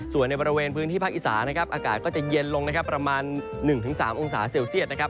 ส่วนในบริเวณพื้นที่ภาคอิสาอากาศก็จะเย็นลงประมาณ๑๓องศาเซียต